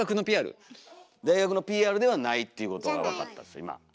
大学のＰＲではないっていうことが分かったんです今。